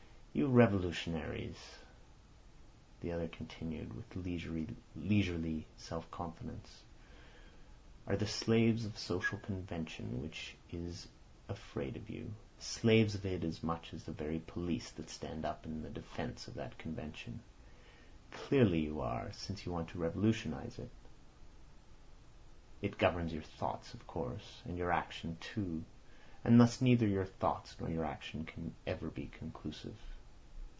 "You revolutionists," the other continued, with leisurely self confidence, "are the slaves of the social convention, which is afraid of you; slaves of it as much as the very police that stands up in the defence of that convention. Clearly you are, since you want to revolutionise it. It governs your thought, of course, and your action too, and thus neither your thought nor your action can ever be conclusive."